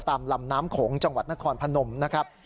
ตามลำน้ำโขงจังหวัดนครพนมนะครับ